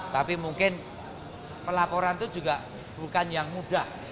tapi mungkin pelaporan itu juga bukan yang mudah